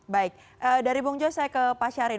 baik dari bung joy saya ke pak syarif